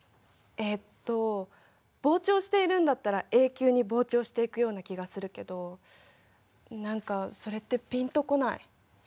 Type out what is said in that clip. えっと膨張しているんだったら永久に膨張していくような気がするけど何かそれってピンとこない。